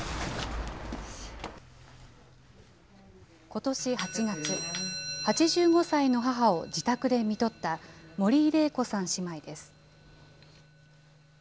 ことし８月、８５歳の母を自宅でみとった森井礼子さん姉妹です。